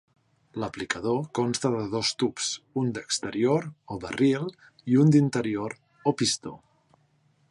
L'aplicador consta de dos tubs, un d'exterior, o barril, i un d'interior, o pistó.